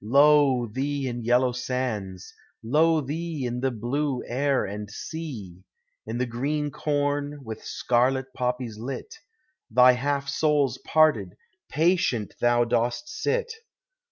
Lo thee in yellow sands! lo thee In the blue air and sea ! In the green corn, with scarlet poppies lit, Thy half souls parted, patient thou dost sit.